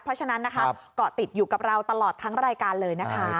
เพราะฉะนั้นนะคะเกาะติดอยู่กับเราตลอดทั้งรายการเลยนะคะ